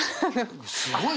すごいね！